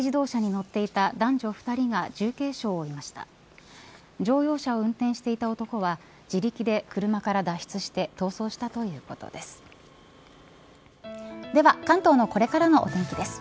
乗用車を運転していた男は自力で車から脱出して逃走したということです。